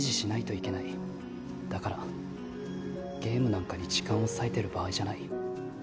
だからゲームなんかに時間を割いてる場合じゃない